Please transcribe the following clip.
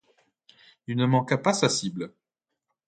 Il ne manqua pas sa cible.